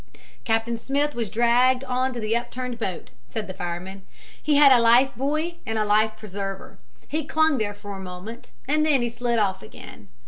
"Captain Smith was dragged onto the upturned boat," said the fireman. "He had a life buoy and a life preserver. He clung there for a moment and then he slid off again.